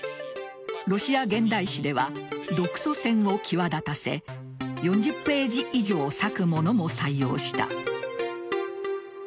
ロシア現代史では独ソ戦を際立たせ４０ページ以上割くものも採用した。